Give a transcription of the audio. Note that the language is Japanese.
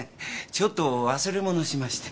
ちょっと忘れ物しまして。